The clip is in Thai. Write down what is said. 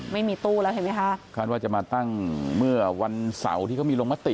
ไม่มีตู้แล้วเห็นไหมคะคาดว่าจะมาตั้งเมื่อวันเสาร์ที่เขามีลงมติ